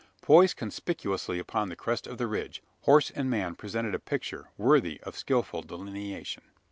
Poised conspicuously upon the crest of the ridge, horse and man presented a picture worthy of skilful delineation.